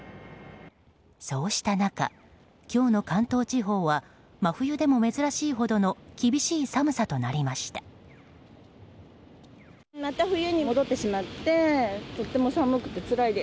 そうした中、今日の関東地方は真冬でも珍しいほどの厳しい寒さとなりました。